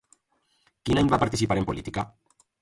Quin any va participar en política?